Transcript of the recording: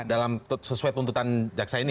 dalam sesuai tuntutan jaksa ini